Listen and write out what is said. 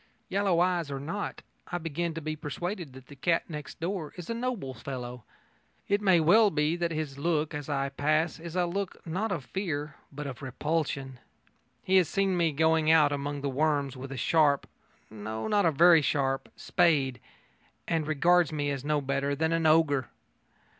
Yellow eyes or not, I begin to be persuaded that the cat next door is a noble fellow. It may well be that his look as I pass is a look not of fear but of repulsion. He has seen me going out among the worms with a sharp no, not a very sharp spade, and regards me as no better than an ogre.